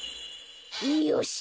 よし！